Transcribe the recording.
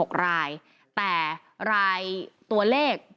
แต่รายตัวเลขของคนที่ถูกจับเป็นตัวประการ